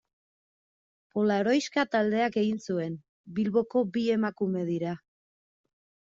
Polaroiska taldeak egin zuen, Bilboko bi emakume dira.